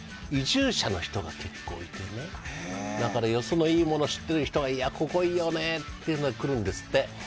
移住者の人が結構いてだから、よそのいいものを知っている人がここいいよねって来るんですね。